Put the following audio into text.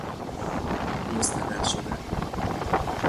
مستدل شدن